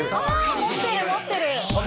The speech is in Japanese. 持ってる、持ってる。